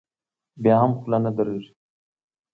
بیا هم خوله نه درېږي.